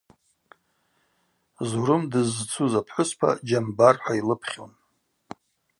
Зурым дыззцуз апхӏвыспа Джьамбар – хӏва йлыпхьун.